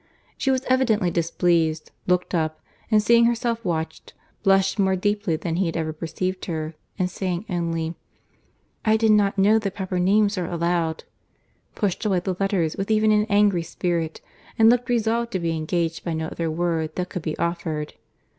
She was evidently displeased; looked up, and seeing herself watched, blushed more deeply than he had ever perceived her, and saying only, "I did not know that proper names were allowed," pushed away the letters with even an angry spirit, and looked resolved to be engaged by no other word that could be offered.